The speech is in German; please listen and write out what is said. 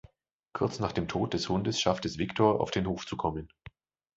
Kurz nach dem Tod des Hundes schafft es Victor, auf den Hof zu kommen.